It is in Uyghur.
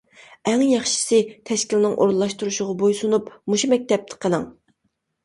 ئەڭ ياخشىسى تەشكىلنىڭ ئورۇنلاشتۇرۇشىغا بويسۇنۇپ، مۇشۇ مەكتەپتە قېلىڭ.